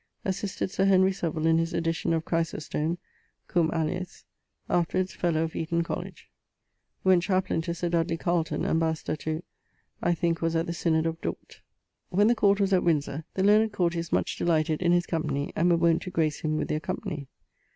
Assisted Sir Henry Savill in his edition of Chrysostome (cum aliis). Afterwards fellow of Eaton College. Went chaplain to Sir Dudley Carlton (ambassador to ...). I thinke was at the Synod of Dort. When the Court was at Windsor, the learned courtiers much delighted his company, and were wont to grace him with their company.